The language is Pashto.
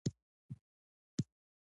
دا چای له هغه بل ښه دی.